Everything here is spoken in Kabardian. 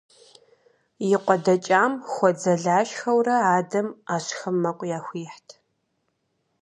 И къуэ дэкӏам хуэдзэлашхэурэ, адэм ӏэщхэм мэкъу яхуихьт.